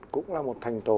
cũng là một thành tố